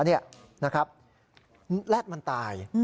แล็ดมันตาย